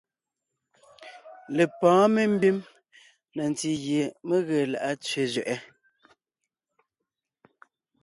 Lepɔ̌ɔn membím na ntí gie mé ge lá’a tsẅé zẅɛʼɛ;